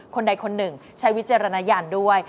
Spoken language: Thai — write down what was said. คนใดคนหนึ่งใช้วิจารณญาณด้วย